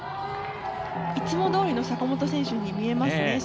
いつもどおりの坂本選手に見えますね。